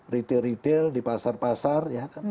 retail retail di pasar pasar